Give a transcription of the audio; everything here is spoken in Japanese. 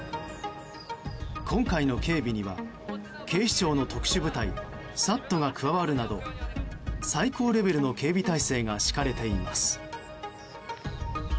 今回の警備には警視庁の特殊部隊ＳＡＴが加わるなど最高レベルの警備態勢が敷かれています。